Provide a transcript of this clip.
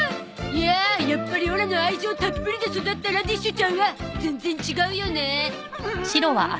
いややっぱりオラの愛情たっぷりで育ったラディッシュちゃんは全然違うよね。